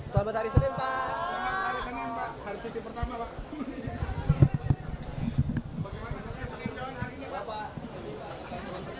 selamat hari senin pak